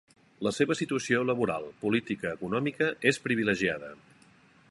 La seva situació laboral, política, econòmica, és privilegiada.